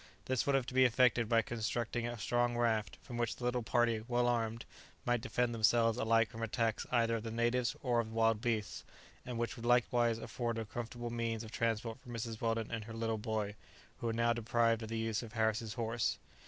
This would have to be effected by constructing a strong raft, from which the little party, well armed, might defend themselves alike from attacks either of the natives or of wild beasts, and which would likewise afford a comfortable means of transport for Mrs. Weldon and her little boy, who were now deprived of the use of Harris's horse.